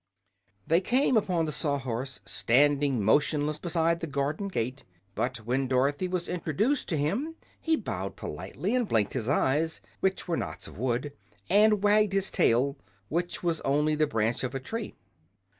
They came upon the Sawhorse standing motionless beside the garden gate, but when Dorothy was introduced to him he bowed politely and blinked his eyes, which were knots of wood, and wagged his tail, which was only the branch of a tree.